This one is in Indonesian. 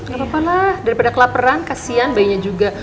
gapapa lah daripada kelaperan kasihan bayinya juga